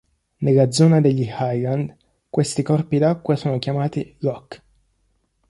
Nella zona degli Highlands questi corpi d'acqua sono chiamati "loch".